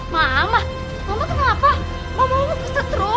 mama mama kenapa mama mau ke setrum